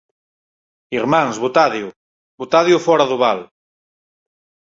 “Irmáns, botádeo! Botádeo fóra do val.